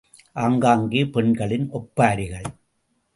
ஆங்காங்கே பெண்களின் ஒப்பாரிகள்.